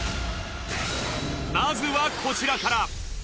まずはこちらから。